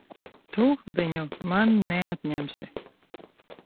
Tu viņu man neatņemsi!